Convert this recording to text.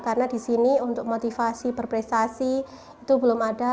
karena di sini untuk motivasi berprestasi itu belum ada